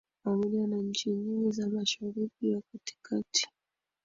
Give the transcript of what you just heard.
pamoja na nchi nyingi za Mashariki ya Kati kati